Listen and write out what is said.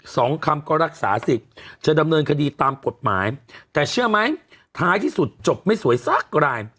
สองคำก็รักษาสิทธิ์จะดำเนินคดีตามกฎหมายแต่เชื่อไหมท้ายที่สุดจบไม่สวยสักราย